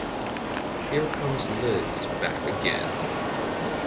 Here comes Liz, back again!